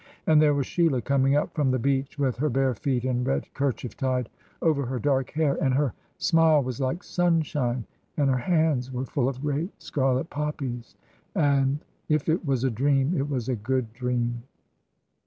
And there was Sheila coming up from the beach, with her bare feet, and red kerchief tied over her dark hair; and her smile was like sunshine, and her hands were full of great scarlet poppies. And if it was a dream, it was a good dream."